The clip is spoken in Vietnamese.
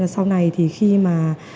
sau này thì khi mà